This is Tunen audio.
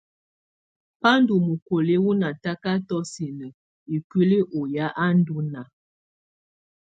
Ba ndù mukoli wu natakatɔ sinǝ ikuili u ya a ndù naà.